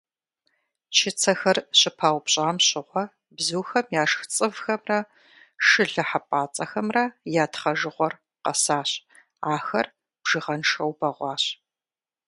Чыцэхэр щыпаупщӏам щыгъуэ бзухэм яшх цӏывхэмрэ шылэ хьэпӏацӏэхэмрэ я тхъэжыгъуэр къэсащ, ахэр бжыгъэншэу бэгъуащ.